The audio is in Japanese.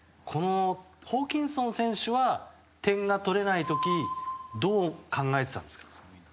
ホーキンソン選手は点が取れない時どう考えてたんですか？